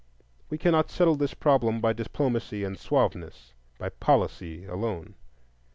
We cannot settle this problem by diplomacy and suaveness, by "policy" alone.